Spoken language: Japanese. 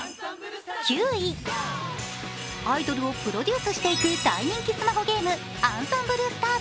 アイドルをプロデュースしていく大人気スマホゲーム、「ＥＮＳＥＭＢＬＥＳＴＡＲＳ！！」